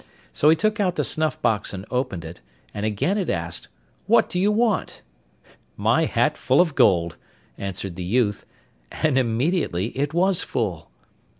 So he took out the snuff box and opened it, and again it asked 'What do you want?' 'My hat full of gold,' answered the youth, and immediately it was full.